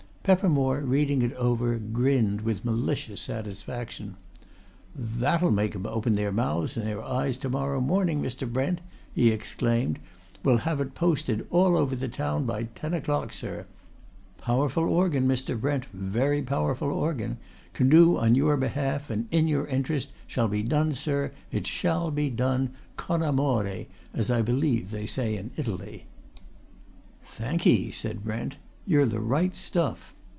Peppermore, reading it over, grinned with malicious satisfaction. "That'll make 'em open their mouths and their eyes to morrow morning, Mr. Brent!" he exclaimed. "We'll have it posted all over the town by ten o'clock, sir. And all that the Monitor powerful organ, Mr. Brent, very powerful organ! can do on your behalf and in your interest shall be done, sir, it shall be done con amore, as I believe they say in Italy." "Thank 'ee!" said Brent. "You're the right stuff."